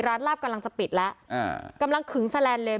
ลาบกำลังจะปิดแล้วอ่ากำลังขึงแลนดเลน